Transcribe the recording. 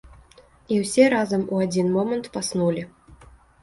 І ўсе разам у адзін момант паснулі.